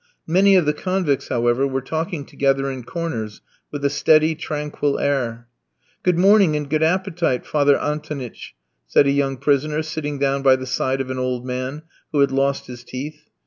Many of the convicts, however, were talking together in corners with a steady, tranquil air. "Good morning and good appetite, Father Antonitch," said a young prisoner, sitting down by the side of an old man, who had lost his teeth.